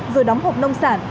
rồi đóng hộp nông sản